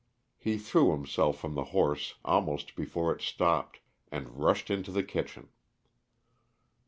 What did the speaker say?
He threw himself from the horse almost before it stopped, and rushed into the kitchen.